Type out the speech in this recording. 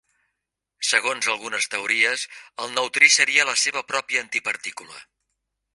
Segons algunes teories, el neutrí seria la seva pròpia antipartícula.